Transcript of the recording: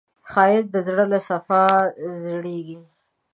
ښایست د زړه له صفا زېږېږي